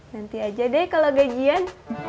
nanti aja deh kalau gajian